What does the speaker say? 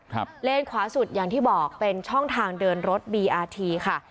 เลนขวาสุดอย่างที่บอกเป็นช่องทางเดินรถบีอาทีค่ะ